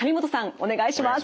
お願いします。